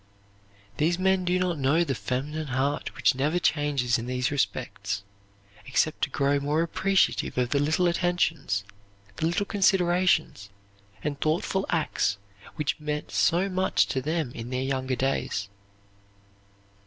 These men do not know the feminine heart which never changes in these respects, except to grow more appreciative of the little attentions, the little considerations, and thoughtful acts which meant so much to them in their younger days.